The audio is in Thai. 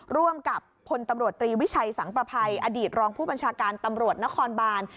ร่วมกับพลตำรวจตรีวิชัยสังประภัยอดีตรองผู้บัญชาการตำรวจนครบาน